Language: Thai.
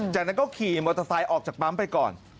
จากนั้นก็ขี่มอเตอร์ไซค์ออกจากปั๊มไปก่อน